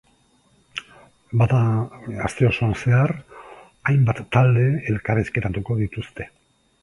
Bada, aste osoan zehar, hainbat talde elkarrizketatuko dituzte.